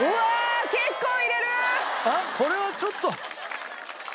あっこれはちょっと。